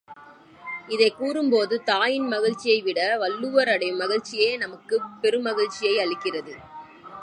இதைக் கூறும்பொழுது தாயின் மகிழ்ச்சியைவிட வள்ளுவர் அடையும் மகிழ்ச்சியே நமக்குப் பெருமகிழ்ச்சியை அளிக்கிறது.